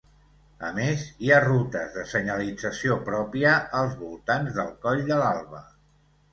A més, hi ha rutes de senyalització pròpia als voltants del Coll de l'Alba.